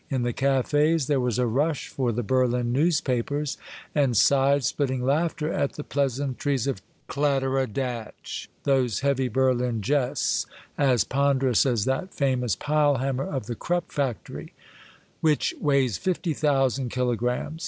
In the cafes there was a rush for the Berlin newspapers, and side splitting laughter at the pleasantries of Kladderadatsch, those heavy Berlin jests, as ponderous as that famous pile hammer of the Krupp factory, which weighs fifty thousand kilogrammes.